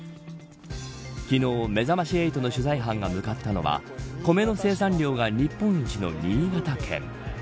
昨日、めざまし８の取材班が向かったのは米の生産量が日本一の新潟県。